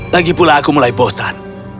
lagi pula aku mulai bosan